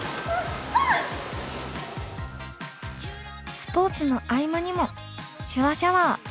スポーツの合間にも「手話シャワー」。